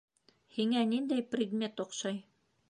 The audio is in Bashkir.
Һиңә ниндәй предмет оҡшай?